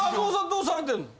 どうされてんの？